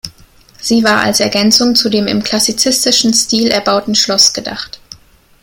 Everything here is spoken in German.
Sie war als Ergänzung zu dem im klassizistischen Stil erbauten Schloss gedacht.